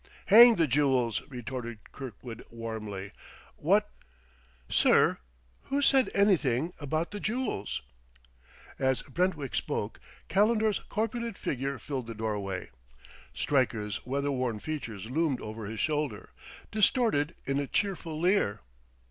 "Hang the jewels!" retorted Kirkwood warmly. "What " "Sir, who said anything about the jewels?" As Brentwick spoke, Calendar's corpulent figure filled the doorway; Stryker's weather worn features loomed over his shoulder, distorted in a cheerful leer.